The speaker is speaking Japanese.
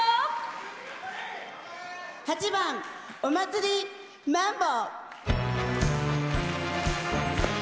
８番「お祭りマンボ」。